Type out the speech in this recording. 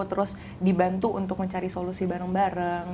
terus dibantu untuk mencari solusi bareng bareng